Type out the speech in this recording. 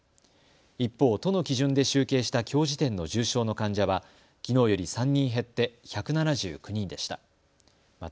一方、都の基準で集計したきょう時点の重症の患者はきのうより３人減って１７９人でした。